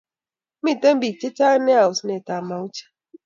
Miten pik che chang nea osent ab mauche